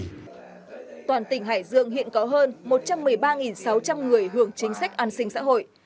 toàn tỉnh hải dương hiện có hơn một trăm một mươi ba sáu trăm linh người hưởng chính sách an sinh xã hội